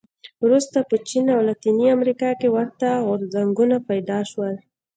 وروسته په چین او لاتینې امریکا کې ورته غورځنګونه پیدا شول.